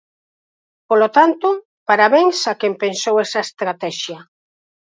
Polo tanto, parabéns a quen pensou esa estratexia.